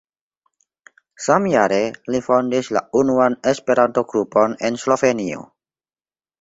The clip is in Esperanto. Samjare li fondis la unuan Esperanto-grupon en Slovenio.